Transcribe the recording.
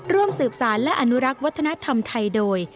ร่วมสืบสารและอนุรักษ์วัฒนธรรมไทยโดย